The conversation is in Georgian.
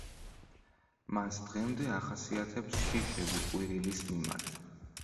მას დღემდე ახასიათებს შიშები ყვირილის მიმართ.